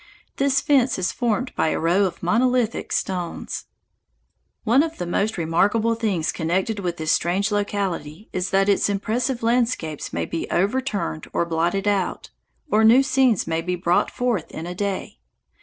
This fence is formed by a row of monolithic stones. One of the most remarkable things connected with this strange locality is that its impressive landscapes may be overturned or blotted out, or new scenes may be brought forth, in a day.